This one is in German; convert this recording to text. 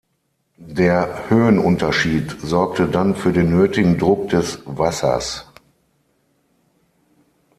Der Höhenunterschied sorgte dann für den nötigen Druck des Wassers.